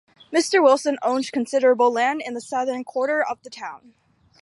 Mr. Wilson owned considerable land in the southern quarter of the town.